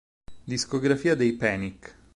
Discografia dei Panic!